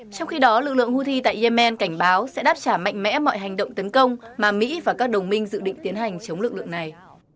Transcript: trong khi đó lực lượng houthi tại yemen cảnh báo sẽ đáp trả mạnh mẽ mọi hành động tấn công mà mỹ và các đồng minh dự định tiến hành chống lực lượng này